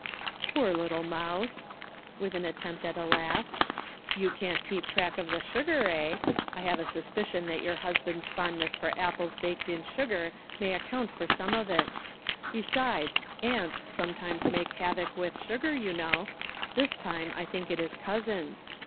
" Poor little mouse !" with an attempt at a laugh. "So you can't keep track of the sugar, eh ? I have a suspicion that your husband's fondness for apples baked in sugar 50 The Pocket Measure. may account for some of it. Besides, ants sometimes make havoc with sugar, you know ; this time I think it is cousins.